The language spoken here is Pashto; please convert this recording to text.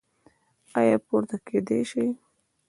ایا پورته کیدی شئ؟